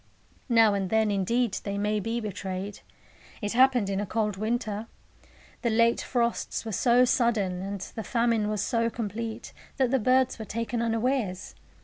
Now and then, indeed, they may be betrayed. It happened in a cold winter. The late frosts were so sudden, and the famine was so complete, that the birds were taken unawares.